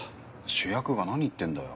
主役が何言ってんだよ。